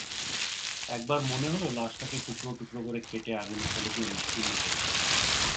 একবার মনে হল লাশটাকে টুকরো টুকরো করে কেটে আগুনে ফেলে দিয়ে নিশ্চিহ্ন করে ফেলি।